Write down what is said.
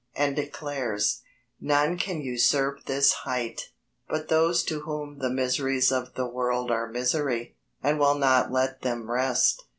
and declares: None can usurp this height ... But those to whom the miseries of the world Are misery, and will not let them rest.